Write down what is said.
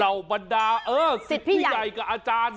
เหล่าบรรดาอือศิษธิพิใหญ่กับอาจารย์